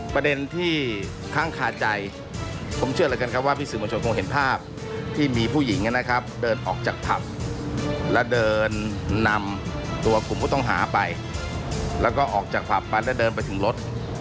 ประเด็นที่ค้างคาใจผมเชื่อเหลือเกินครับว่าพี่สื่อมวลชนคงเห็นภาพที่มีผู้หญิงนะครับเดินออกจากผับและเดินนำตัวกลุ่มผู้ต้องหาไปแล้วก็ออกจากผับไปแล้วเดินไปถึงรถ